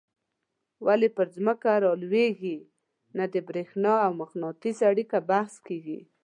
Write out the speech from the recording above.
ولي پر ځمکه رالویږي نه د برېښنا او مقناطیس اړیکه بحث کیږي.